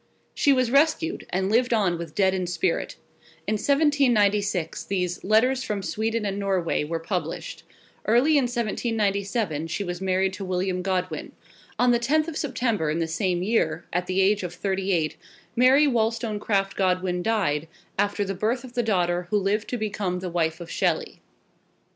She was rescued, and lived on with deadened spirit. In 1796 these "Letters from Sweden and Norway" were published. Early in 1797 she was married to William Godwin. On the 10th of September in the same year, at the age of thirty eight, Mary Wollstonecraft Godwin died, after the birth of the daughter who lived to become the wife of Shelley.